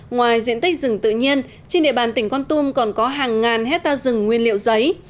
ngoài diện tích rừng tự nhiên trên địa bàn tỉnh con tum còn có hàng ngàn hectare rừng nguyên liệu giấy